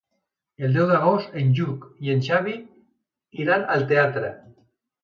El deu d'agost en Lluc i en Xavi iran al teatre.